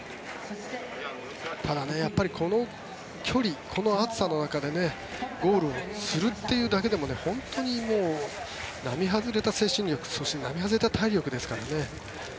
ただ、この距離この暑さの中でゴールをするというだけでも本当に並外れた精神力そして並外れた体力ですからね。